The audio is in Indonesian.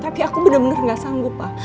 tapi aku bener bener gak sanggup pak